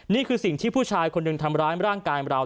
นี่คือสิ่งที่ผู้ชายคนหนึ่งทำร้ายร่างกายเรา